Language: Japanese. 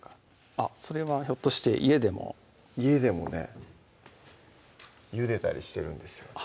あっそれはひょっとして家でも家でもねゆでたりしてるんですよ